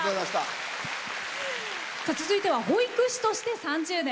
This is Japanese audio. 続いては保育士として３０年。